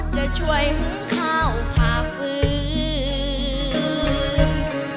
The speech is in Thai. จะช่วยหุงข้าวผ่าฟื้น